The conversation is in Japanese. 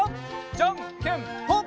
じゃんけんぽん！